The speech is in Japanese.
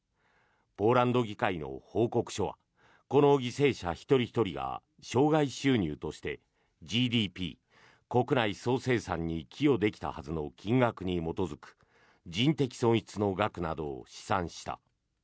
ポーランド議会の報告書はこの犠牲者一人ひとりが生涯収入としてＧＤＰ・国内総生産に寄与できたはずの金額に基づく人的損失の額などを試算した。